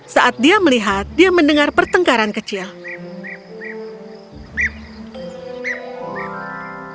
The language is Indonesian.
saat dia melihat dia mendengar pertengkaran kecil